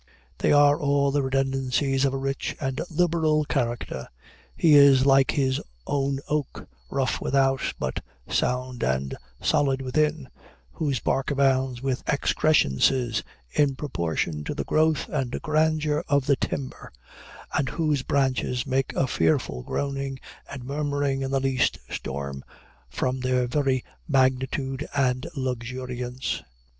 They are all the redundancies of a rich and liberal character. He is like his own oak, rough without, but sound and solid within; whose bark abounds with excrescences in proportion to the growth and grandeur of the timber; and whose branches make a fearful groaning and murmuring in the least storm, from their very magnitude and luxuriance.